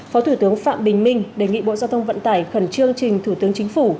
phó thủ tướng phạm bình minh đề nghị bộ giao thông vận tải khẩn trương trình thủ tướng chính phủ